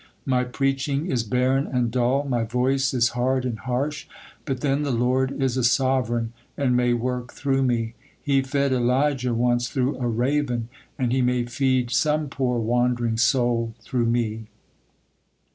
'My preaching is barren and dull, my voice is hard and harsh; but then the Lord is a Sovereign, and may work through me. He fed Elijah once through a raven, and he may feed some poor wandering soul through me.